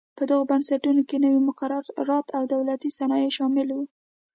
په دغو بنسټونو کې نوي مقررات او دولتي صنایع شامل و.